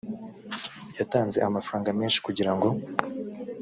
yatanze amafaranga menshi kugira ngo